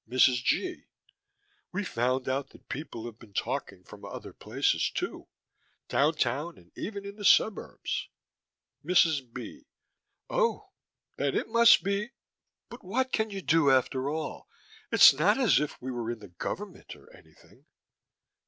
MRS. G.: We found out that people have been talking from other places, too. Downtown and even in the suburbs. MRS. B.: Oh. Then it must be but what can you do, after all? It's not as if we were in the government or anything.